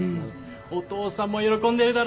お父さんも喜んでるだろ。